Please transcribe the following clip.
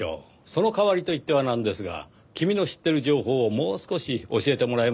その代わりと言ってはなんですが君の知ってる情報をもう少し教えてもらえますか？